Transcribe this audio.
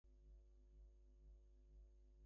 The current Head Coach is Ben Lewis.